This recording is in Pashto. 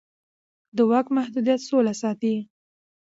د واک محدودیت سوله ساتي